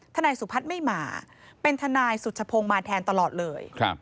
นายสุพัฒน์ไม่มาเป็นทนายสุชพงศ์มาแทนตลอดเลย